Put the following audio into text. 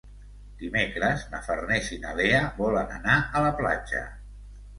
Dimecres na Farners i na Lea volen anar a la platja.